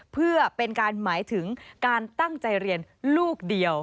เพื่อเป็นการหมายถึงการตั้งใจเรียนลูกเดียว